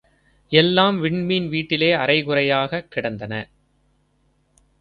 எல்லாம் விண்மீன் வீட்டிலே அறைகுறையாகக் கிடந்தன.